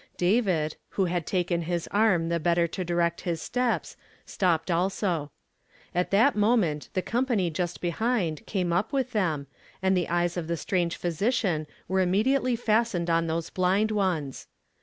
David, who had taken his arm the hetter to direet his steps, stopped also. At that moment the com pany just behind, came up with them, and the eyes of the stran^n' physician were innnediately fasten<'d on those blind ones.